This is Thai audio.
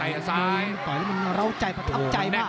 ไฟออกซ้ายมันเลี้ยงก่อนอ้ะเราใจผนักออกใจแบบ